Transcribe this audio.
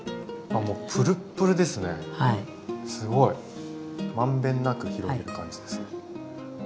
満遍なく広げる感じですね。